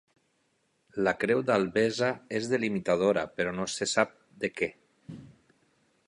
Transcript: La creu d'Albesa és delimitadora, però no se sap de què.